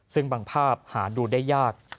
ซึ่งบางภาพหาดูได้ยาก